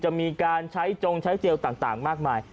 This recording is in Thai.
จะมีการใช้จงใช้เจลต่างมากมาย